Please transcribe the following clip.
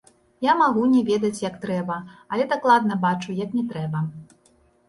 Я магу не ведаць, як трэба, але дакладна бачу, як не трэба.